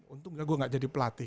untung saya tidak jadi pelatih